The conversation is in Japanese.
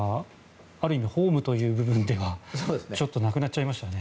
ある意味ホームという部分ではなくなっちゃいましたね。